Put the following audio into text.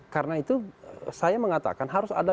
karena itu saya mengatakan harus ada